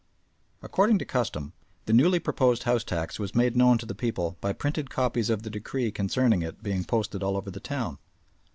According to custom, the newly proposed house tax was made known to the people by printed copies of the decree concerning it being posted all over the town.